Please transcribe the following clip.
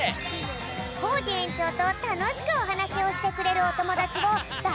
コージえんちょうとたのしくおはなしをしてくれるおともだちをだ